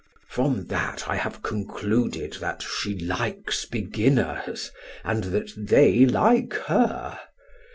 From that I have concluded that she likes beginners and that they like her.